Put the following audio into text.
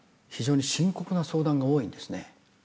非常に深刻な相談が多いんですね。